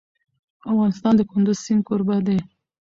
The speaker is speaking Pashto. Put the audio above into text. افغانستان د کندز سیند کوربه دی.